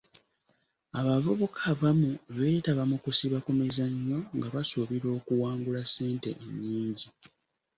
Abavubuka abamu beetaaba mu kusiba ku mizannyo nga basuubira okuwangula ssente ennyingi .